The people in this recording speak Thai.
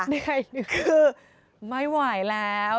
คือไม่ไหวแล้ว